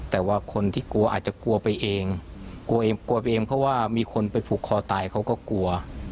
แต่ว่าคนที่กลัวอาจจะกลัวไปเองกลัวเองกลัวไปเองเพราะว่ามีคนไปผูกคอตายเขาก็กลัว